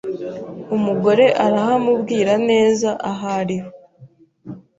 Umugore arahamubwira neza ahariho.